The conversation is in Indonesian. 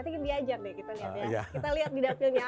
kita lihat di dapilnya